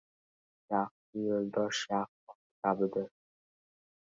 • Yaxshi yo‘ldosh yaxshi ot kabidir.